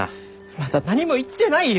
まだ何も言ってないよ！